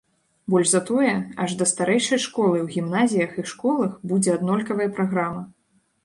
Больш за тое, аж да старэйшай школы ў гімназіях і школах будзе аднолькавая праграма.